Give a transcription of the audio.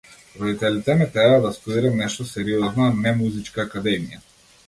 Родителите ме тераа да студирам нешто сериозно, а не музичка академија.